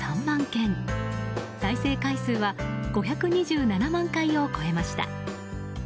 件再生回数は５２７万回を超えました。